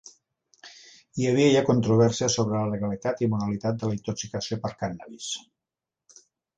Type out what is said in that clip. I hi havia ja controvèrsia sobre la legalitat i moralitat de la intoxicació per cànnabis.